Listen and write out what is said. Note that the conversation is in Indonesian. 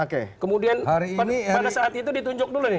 kemudian pada saat itu ditunjuk dulu nih